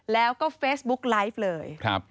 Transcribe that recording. แล้วก็เฟซบุ๊กไลฟ์เลย